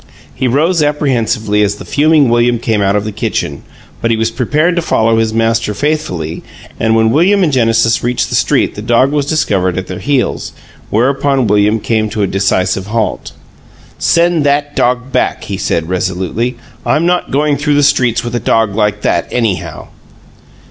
He rose apprehensively as the fuming William came out of the kitchen, but he was prepared to follow his master faithfully, and when William and Genesis reached the street the dog was discovered at their heels, whereupon William came to a decisive halt. "Send that dog back," he said, resolutely. "I'm not going through the streets with a dog like that, anyhow!"